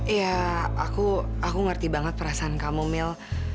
iya aku ngerti banget perasaan kamu mil